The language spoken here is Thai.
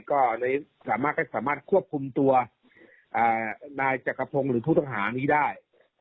ก็สามารถควบคุมตัวนายจักรพงษ์หรือผู้ต้องหานี้ได้